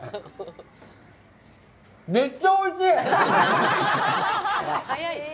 めっちゃおいしい！